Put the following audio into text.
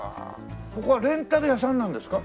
ここはレンタル屋さんなんですか？